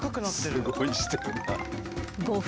すごいしてるな。